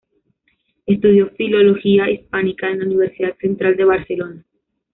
Estudió filología hispánica en la Universidad Central de Barcelona.